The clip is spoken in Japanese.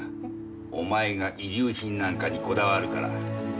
お前が遺留品なんかにこだわるから。